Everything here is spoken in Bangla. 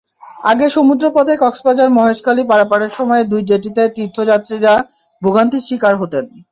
আগে সমুদ্রপথে কক্সবাজার-মহেশখালী পারাপারের সময়ে দুই জেটিতে তীর্থযাত্রীরা ভোগান্তির শিকার হতেন।